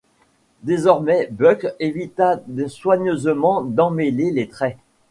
Désormais, Buck évita soigneusement d’emmêler les traits.